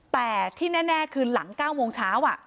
แต่ที่แน่คือหลัง๙โมงเช้า